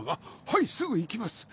はいすぐ行きます。